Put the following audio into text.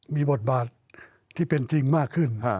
มีบทบาทที่เป็นจริงมากขึ้น